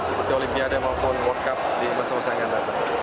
seperti olimpiade maupun world cup di masa masa yang akan datang